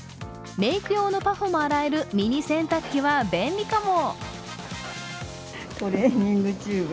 メーク用のパフも洗えるミニ洗濯機は便利かも。